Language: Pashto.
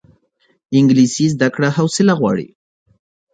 انګلیسي زده کړه حوصله غواړي